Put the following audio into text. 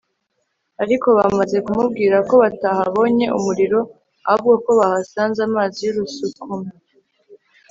ariko bamaze kumubwira ko batahabonye umuriro ahubwo ko bahasanze amazi y'urusukume